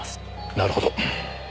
なるほど。